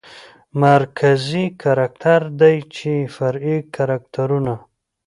مرکزي کرکتر دى چې فرعي کرکترونه